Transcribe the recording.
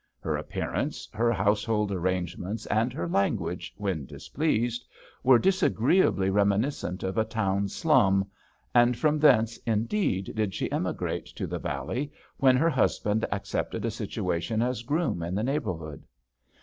Her appearance, her household arrangements, and her language when displeased, were disagreeably reminiscent of a town slum, and from thence, indeed, did she emigrate to the valley when her husband accepted a situation as groom in the neighbourhood.